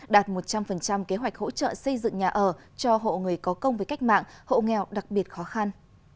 đạt một trăm linh kế hoạch hỗ trợ xây dựng nhà ở cho hộ người có công với cách mạng hộ nghèo đặc biệt khó khăn